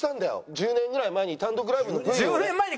１０年ぐらい前に単独ライブの。